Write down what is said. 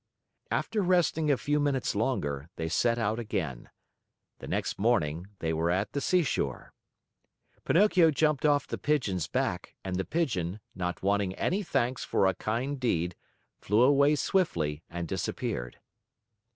After resting a few minutes longer, they set out again. The next morning they were at the seashore. Pinocchio jumped off the Pigeon's back, and the Pigeon, not wanting any thanks for a kind deed, flew away swiftly and disappeared.